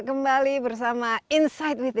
ada berapa jumlah pabriknya